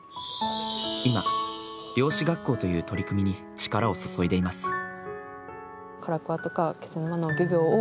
今、漁師学校という取り組みに力を注いでいます。